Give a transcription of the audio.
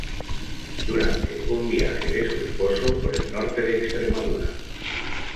Durante un viaje de su esposo por el norte de Extremadura.